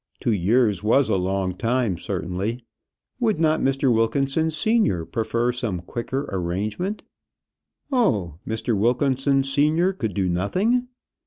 Two years was a long time, certainly; would not Mr. Wilkinson senior prefer some quicker arrangement? Oh! Mr. Wilkinson senior could do nothing!